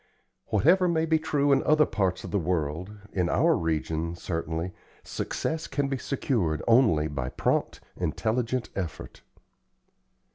Whatever may be true in other parts of the world, in our region, certainly, success can be secured only by prompt, intelligent effort.